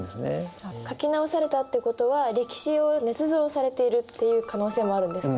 じゃあ書き直されたってことは歴史をねつ造されているっていう可能性もあるんですか？